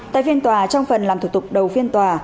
tại phiên tòa trong phần làm thủ tục đầu phiên tòa